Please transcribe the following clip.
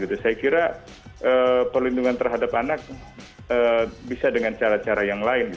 saya kira perlindungan terhadap anak bisa dengan cara cara yang lain